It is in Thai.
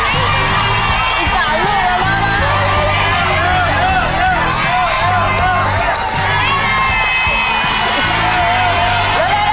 สวัสดีครับ